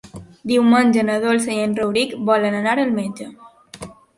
Diumenge na Dolça i en Rauric volen anar al metge.